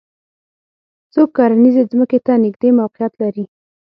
څوک کرنیزې ځمکې ته نږدې موقعیت لري